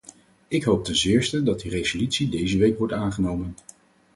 Ik hoop ten zeerste dat die resolutie deze week wordt aangenomen.